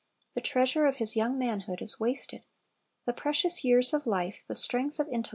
The treasure of his young manhood is wasted. The precious years of life, the strength of intellect, the 1 Rom.